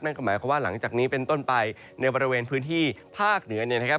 หมายความว่าหลังจากนี้เป็นต้นไปในบริเวณพื้นที่ภาคเหนือเนี่ยนะครับ